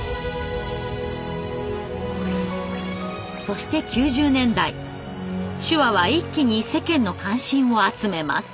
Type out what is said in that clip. そして９０年代手話は一気に世間の関心を集めます。